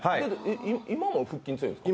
今も腹筋強いんですか？